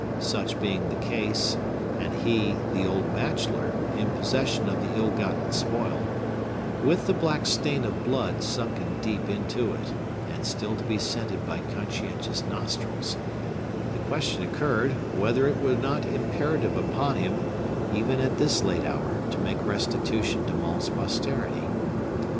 Such being the case, and he, the old bachelor, in possession of the ill gotten spoil,—with the black stain of blood sunken deep into it, and still to be scented by conscientious nostrils,—the question occurred, whether it were not imperative upon him, even at this late hour, to make restitution to Maule's posterity.